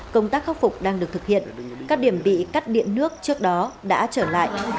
công tác khắc phục đang được thực hiện các điểm bị cắt điện nước trước đó đã trở lại